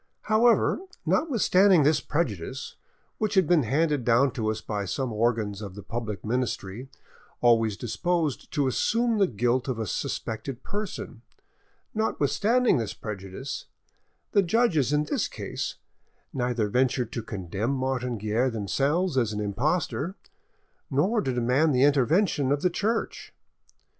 However, notwithstanding this prejudice, which has been handed down to us by some organs of the public ministry always disposed to assume the guilt of a suspected person,—notwithstanding this prejudice, the judges in this case neither ventured to condemn Martin Guerre themselves as an impostor, nor to demand the intervention of the Church.